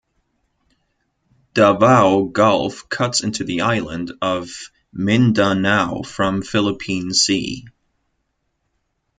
Davao Gulf cuts into the island of Mindanao from Philippine Sea.